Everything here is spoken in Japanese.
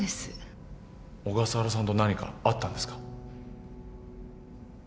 小笠原さんと何かあったんですか？